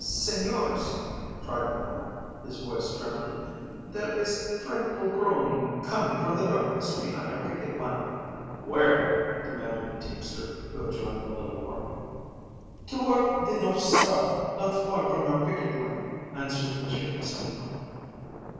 "Señors," cried the man, his voice trembling, "there is frightful groaning coming from the darkness behind our picket line." "Where?" demanded the teamster, who had joined the little party. "Toward the North Star, not far from our picket line," answered the shaky sentinel.